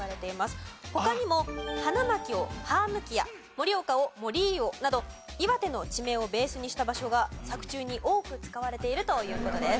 他にも花巻をハームキヤ盛岡をモリーオなど岩手の地名をベースにした場所が作中に多く使われているという事です。